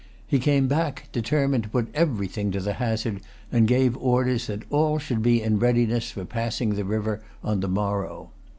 He came back determined to put everything to the hazard, and gave orders that all should be in readiness for passing the river on the morrow.